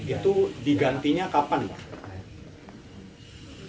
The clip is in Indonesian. itu digantinya kapan pak